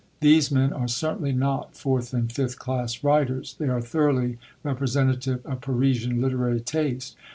These men are certainly not fourth and fifth class writers; they are thoroughly representative of Parisian literary taste.